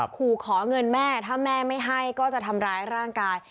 ขอเงินแม่ถ้าแม่ไม่ให้ก็จะทำร้ายร่างกาย